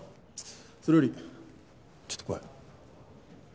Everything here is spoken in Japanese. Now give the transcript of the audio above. それよりちょっと来い。